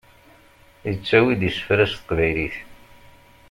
Yettawi-d isefra s teqbaylit.